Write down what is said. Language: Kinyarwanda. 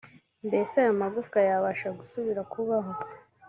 mbese aya magufwa yabasha gusubira kubaho